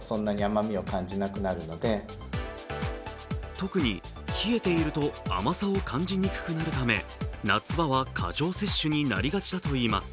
特に冷えていると甘さを感じにくくなるため夏場は過剰摂取になりがちだということです。